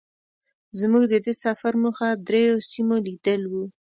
زمونږ د دې سفر موخه درېيو سیمو لیدل وو.